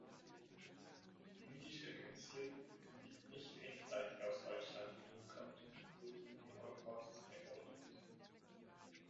Jüdische Künstler, die nicht rechtzeitig aus Deutschland fliehen konnten, wurden im Holocaust ermordet.